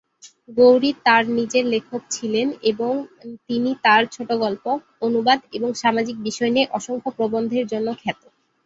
গৌরী তাঁর নিজের লেখক ছিলেন এবং তিনি তাঁর ছোট গল্প, অনুবাদ এবং সামাজিক বিষয় নিয়ে অসংখ্য প্রবন্ধের জন্য খ্যাত।